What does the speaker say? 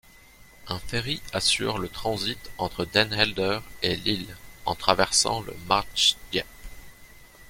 Un ferry assure le transit entre Den Helder et l'île, en traversant le Marsdiep.